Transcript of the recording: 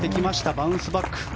バウンスバック。